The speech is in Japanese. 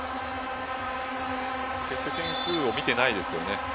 点数を見てないですよね。